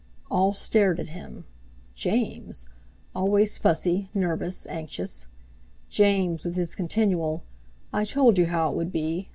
All stared at him. James! Always fussy, nervous, anxious! James with his continual, "I told you how it would be!"